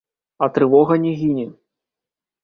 А трывога не гіне.